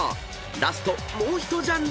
［ラストもうひとジャンル］